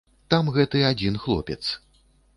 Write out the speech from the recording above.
Там гэты адзін хлопец.